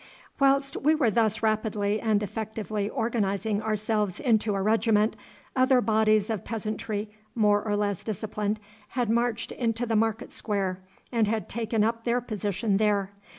Whilst we were thus rapidly and effectively organising ourselves into a regiment, other bodies of peasantry more or less disciplined had marched into the market square, and had taken up their position there.